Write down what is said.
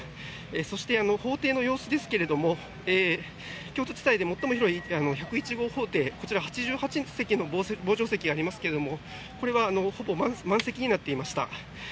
そして、法廷の様子ですが京都地裁で最も広い１０１号法廷こちら８８席の傍聴席がありますがこれはほぼ満席になっていました。